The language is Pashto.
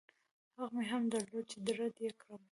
حق مې هم درلود چې رد يې کړم.